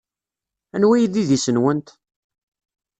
Anwa ay d idis-nwent?